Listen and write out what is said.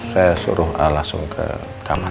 saya suruh langsung ke kamar